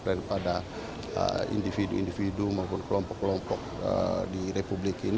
daripada individu individu maupun kelompok kelompok di republik ini